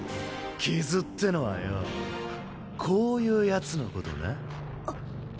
傷ってのはよぉこういうやつのことな？